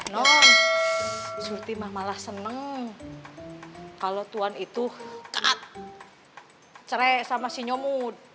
non surti mah malah seneng kalau tuan itu kak cerai sama si nyomu